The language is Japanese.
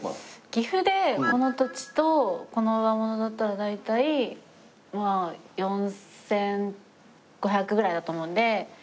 岐阜でこの土地とこの上物だったら大体まあ４５００ぐらいだと思うんで。